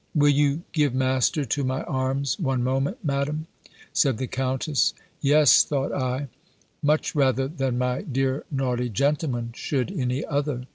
"Will you give Master to my arms, one moment, Madam?" said the Countess. "Yes," thought I, "much rather than my dear naughty gentleman should any other."